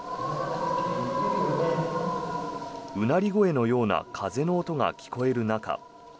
うなり声のような風の音が聞こえる中